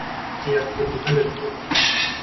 Eher friert die Hölle zu.